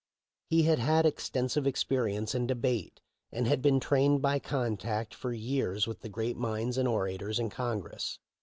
He had had extensive experience in debate, and had been trained by contact for years with the great minds and orators in Congress.